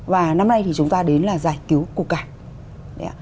và năm nay thì chúng ta đến là giải cứu củ cải